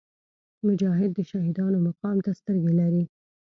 مجاهد د شهیدانو مقام ته سترګې لري.